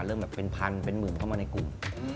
เริ่มแบบเป็นพันเป็นหมื่นเข้ามาในกลุ่ม